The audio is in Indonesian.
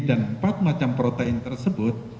dan empat macam protein tersebut